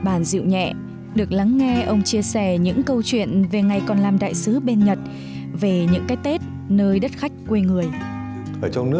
cái dịp ấy thường là hay mời việt kiều đến